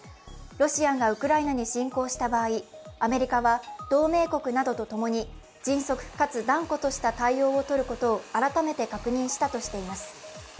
ロシアがウクライナに侵攻した場合、アメリカは同盟国などと共に迅速かつ断固とした対応をとることを改めて確認したとしています。